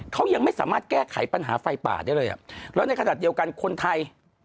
เขายังไม่สามารถแก้ไขปัญหาไฟป่าได้เลยอ่ะแล้วในขณะเดียวกันคนไทย